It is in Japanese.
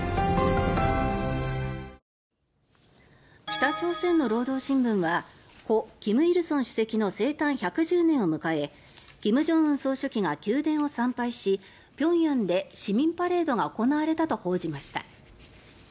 北朝鮮の労働新聞は故・金日成主席の生誕１１０年を迎え金正恩総書記が宮殿を参拝し平壌で市民パレードが行われたと報じました。